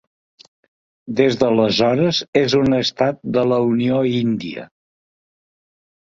Des d'aleshores és un estat de la Unió índia.